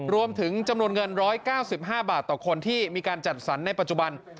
รวมถึงจำนวนเงิน๑๙๕บาทต่อคนที่มีการจัดสรรในปัจจุบัน